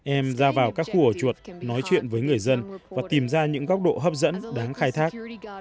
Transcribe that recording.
em ra vào các khu ở chuột nói chuyện với người dân và tìm ra những góc độ hấp dẫn đáng khai thác